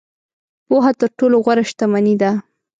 • پوهه تر ټولو غوره شتمني ده.